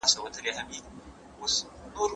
مستري په اوږه باندي ګڼ توکي راوړي دي.